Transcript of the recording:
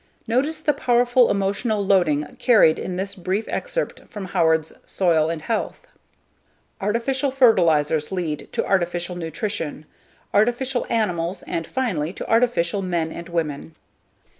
Notice the powerful emotional loading carried in this brief excerpt from Howard's Soil and Health: "Artificial fertilizers lead to artificial nutrition, artificial animals and finally to artificial men and women."